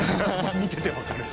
見ててわかる。